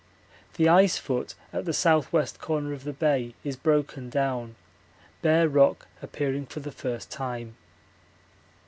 The ice foot at the S.W. corner of the bay is broken down, bare rock appearing for the first time.